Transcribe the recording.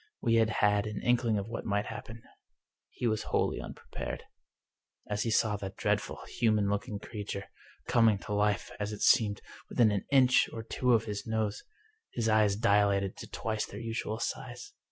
We had had an inkling of what might happen. He was wholly unprepared. As he saw that dreadful, human looking creature, coming to life, as it seemed, within an inch or two of his nose, his eyes dilated to twice their usual size.